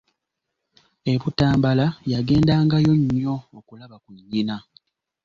E Butambala yagendangayo nnyo okulaba ku nnyina.